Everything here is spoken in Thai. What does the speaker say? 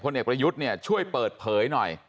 เอกประยุทธ์เนี่ยช่วยเปิดเผยหน่อย